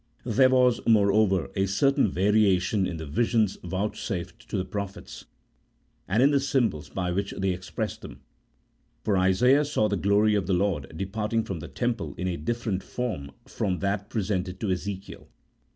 There was, moreover, a certain variation in the visions vouchsafed to the prophets, and in the symbols by which they expressed them, for Isaiah saw the glory of the Lord departing from the Temple in a different form from that presented to Ezekiel.